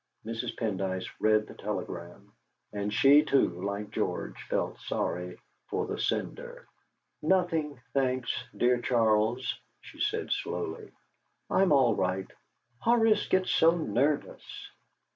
Mrs. Pendyce read the telegram, and she, too, like George, felt sorry for the sender. "Nothing, thanks, dear Charles," she said slowly. "I'm all right. Horace gets so nervous!"